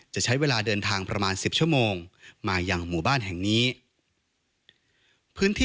จะใช้เวลาเดินทางประมาณ๑๐ชั่วโมงมาอย่างหมู่บ้านแห่งนี้